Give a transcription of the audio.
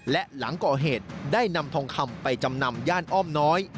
และหลังก่อเหตุได้นำทองคำไปจำนำย่านอ้อมน้อย